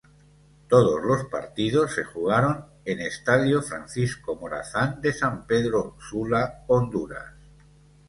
Todos los partidos se jugaron en Estadio Francisco Morazán de San Pedro Sula, Honduras.